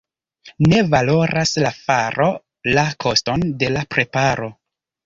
Ne valoras la faro la koston de la preparo.